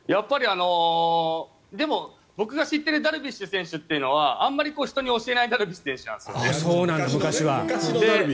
でも、僕が知ってるダルビッシュ選手というのはあまり人に教えないダルビッシュ選手なんですよ。